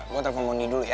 gue telepon moni dulu ya